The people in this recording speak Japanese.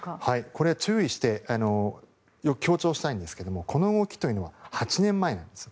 これ注意してよく強調したいんですがこの動きというのは８年前なんです。